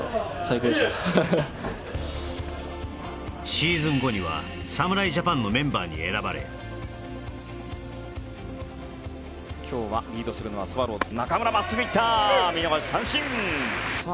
シーズン後には侍ジャパンのメンバーに選ばれ今日はリードするのはスワローズ中村まっすぐいった見逃し三振さあ